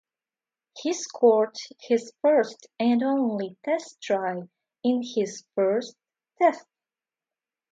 He scored his first and only test try in his first test.